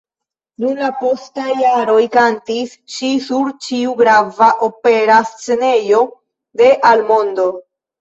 Dum la postaj jaroj kantis ŝi sur ĉiu grava opera scenejo de al mondo.